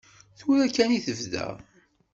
Tura kan i tebda.